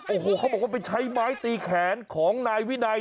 โอ้โหเขาบอกว่าไปใช้ไม้ตีแขนของนายวินัย